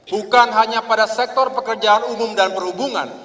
bukan hanya pada sektor pekerjaan umum dan perhubungan